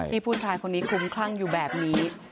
ผู้ชายคนนี้คุ้มคลั่งอยู่แบบนี้